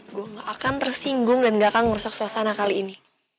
gue gak akan tersinggung dan gak akan merusak suasana kali ini